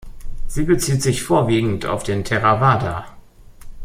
Sie bezieht sich vorwiegend auf den Theravada.